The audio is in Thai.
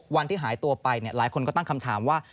วันที่หายตัวไปหลายคนก็ตั้งคำถามว่า